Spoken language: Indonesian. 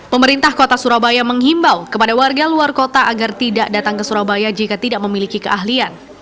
pemerintah kota surabaya menghimbau kepada warga luar kota agar tidak datang ke surabaya jika tidak memiliki keahlian